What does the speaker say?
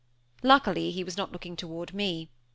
Luckily, he was not looking toward me.